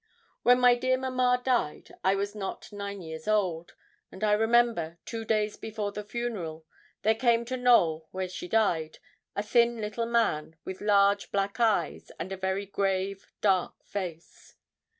When my dear mamma died I was not nine years old; and I remember, two days before the funeral, there came to Knowl, where she died, a thin little man, with large black eyes, and a very grave, dark face.